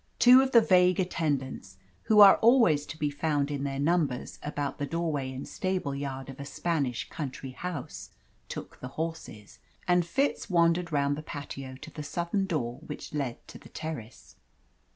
Two of the vague attendants who are always to be found in their numbers about the doorway and stableyard of a Spanish country house took the horses, and Fitz wandered round the patio to the southern door which led to the terrace.